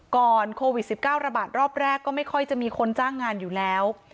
โควิด๑๙ระบาดรอบแรกก็ไม่ค่อยจะมีคนจ้างงานอยู่แล้ว